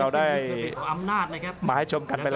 อัศวินาศาสตร์